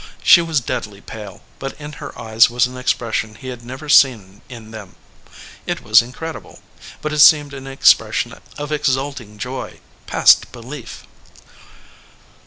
She was deadly pale, but in her eyes was an expression he had never seen in them. It was incredible, but it seemed an expression of ex ulting joy, past belief.